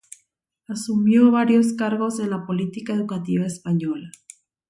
Asumió varios cargos en la política educativa española.